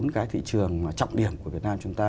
bốn cái thị trường trọng điểm của việt nam chúng ta